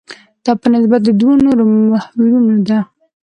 دا په نسبت د دوو نورو محورونو ده.